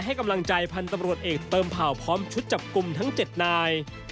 ให้กำลังใจพันธุ์ตำรวจเอกเติมเผ่าพร้อมชุดจับกลุ่มทั้ง๗นาย